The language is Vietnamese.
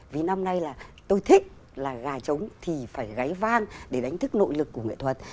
vì năm nay là tôi thích là gà trống thì phải gáy vang để đánh thức nội lực của nghệ thuật